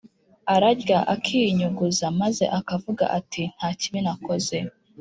ararya akiyunyuguza, maze akavuga ati ‘nta kibi nakoze’